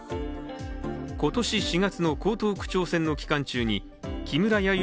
今年４月の江東区長選の期間中に木村弥生